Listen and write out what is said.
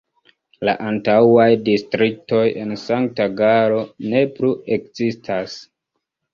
La antaŭaj distriktoj en Sankt-Galo ne plu ekzistas.